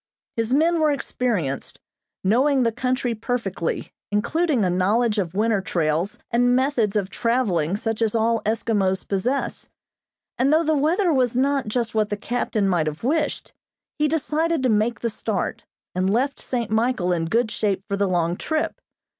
His men were experienced, knowing the country perfectly, including a knowledge of winter trails and methods of traveling such as all Eskimos possess, and though the weather was not just what the captain might have wished, he decided to make the start, and left St. Michael in good shape for the long trip.